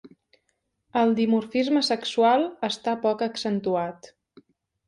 El dimorfisme sexual està poc accentuat.